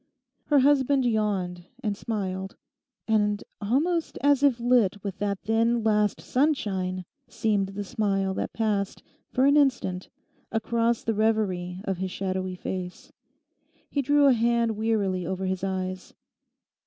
Her husband yawned, and smiled, and almost as if lit with that thin last sunshine seemed the smile that passed for an instant across the reverie of his shadowy face. He drew a hand wearily over his eyes.